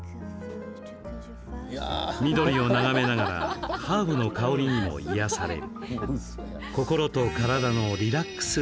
緑を眺めながらハーブの香りにも癒やされる。